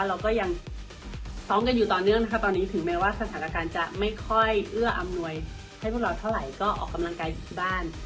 เราก็ยังซ้อมกันอยู่ต่อเนื่องนะคะตอนนี้ถึงแม้ว่าสถานการณ์จะไม่ค่อยเอื้ออำนวยให้พวกเราเท่าไหร่ก็ออกกำลังกายอยู่ที่บ้าน